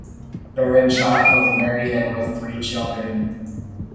Berenschot was married and with three children.